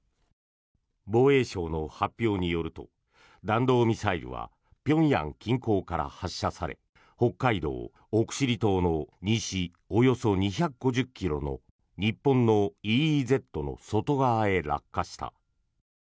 防衛省の発表によると弾道ミサイルは平壌近郊から発射され北海道・奥尻島の西およそ２５０ｋｍの日本のＥＥＺの外側へ落下した。